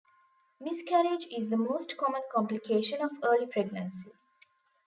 Miscarriage is the most common complication of early pregnancy.